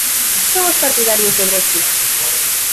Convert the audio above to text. Son os partidarios do Brexit.